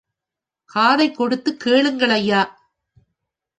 காதைக்கொடுத்துக் கேளுங்கள் ஐயா!